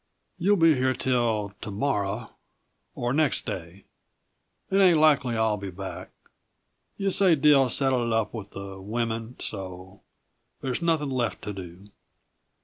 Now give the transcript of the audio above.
"You'll be here till to morrow or next day; it ain't likely I'll be back; yuh say Dill settled up with the women, so there's nothing left to do."